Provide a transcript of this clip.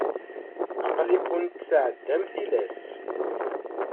Aql-ikent tεedamt tilas.